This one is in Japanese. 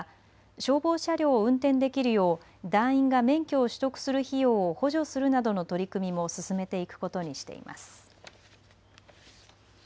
消防車両を運転できるよう団員が免許を取得する費用を補助するなどの取り組みも進めていくことにしています。